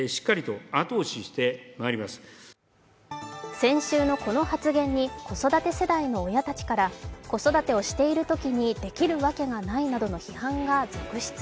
先週のこの発言に子育て世代の親たちから子育てをしているときにできるわけがないなどの批判が続出。